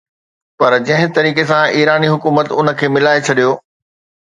پر جنهن طريقي سان ايراني حڪومت ان کي ملائي ڇڏيو